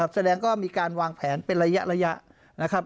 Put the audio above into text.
แสดงก็มีการวางแผนเป็นระยะนะครับ